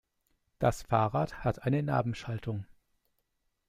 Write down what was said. Das Fahrrad hat eine Narbenschaltung.